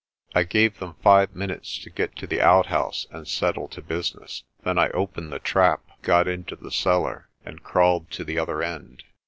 I gave them five minutes to get to the outhouse and settle to business. Then I opened the trap, got into the cellar, and crawled to the other end.